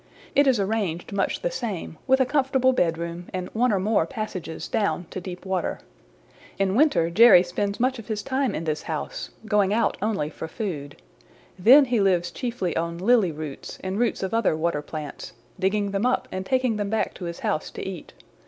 It is arranged much the same, with a comfortable bedroom and one or more passages down to deep water. In winter Jerry spends much of his time in this house, going out only for food. Then he lives chiefly on lily roots and roots of other water plants, digging them up and taking them back to his house to eat.